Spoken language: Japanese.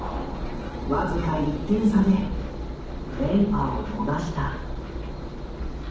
僅か１点差で連覇を逃した。